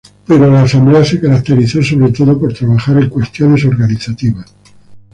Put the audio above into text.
Pero la Asamblea se caracterizó sobre todo por trabajar en cuestiones organizativas.